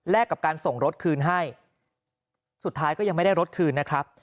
และกับการส่งรถคืนให้สุดท้ายก็ยังไม่ได้รถคืนนะครับ